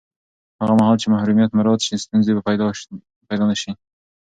هغه مهال چې محرمیت مراعت شي، ستونزې به پیدا نه شي.